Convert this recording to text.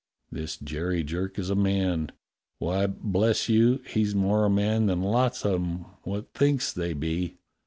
This Jerry Jerk is a man; why, bless you, he's more a man than lots of 'em what thinks they be.